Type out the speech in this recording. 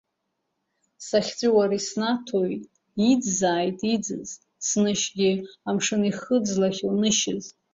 Сахьҵәуар иснаҭои, иӡӡазааит иӡыз, снышьгьы амшын ихыӡлахьоу нышьыз.